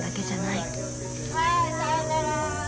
はいさようなら！